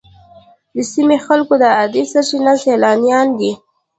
د سیمې د خلکو د عاید سرچینه سیلانیان دي.